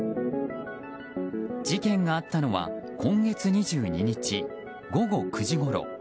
事件があったのは今月２２日午後９時ごろ。